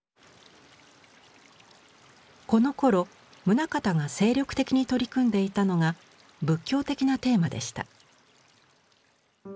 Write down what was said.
このころ棟方が精力的に取り組んでいたのが仏教的なテーマでした。